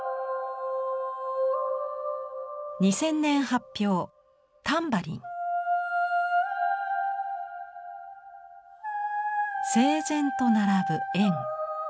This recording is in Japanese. ２０００年発表整然と並ぶ円。